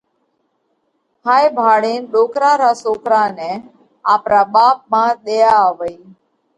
هائي ڀاۯينَ ڏوڪرا را سوڪرا نئہ آپرا ٻاپ مانه ۮئيا آوئِي.